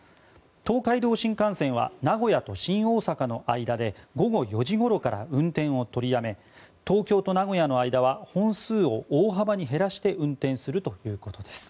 東海道新幹線は名古屋と新大阪の間で午後４時ごろから運転を取りやめ東京と名古屋の間は本数を大幅に減らして運転するということです。